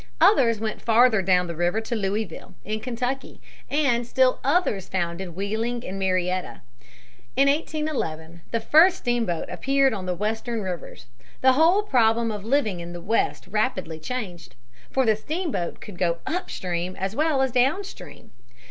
Others went farther down the river to Louisville, in Kentucky, and still others founded Wheeling and Marietta. In 1811 the first steamboat appeared on the Western rivers. The whole problem of living in the West rapidly changed. For the steamboat could go up stream as well as down stream.